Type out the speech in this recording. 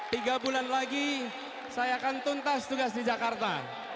tiga bulan lagi saya akan tuntas tugas di jakarta